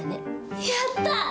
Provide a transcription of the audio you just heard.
やった！